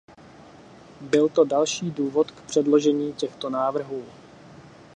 Byl to další důvod k předložení těchto návrhů.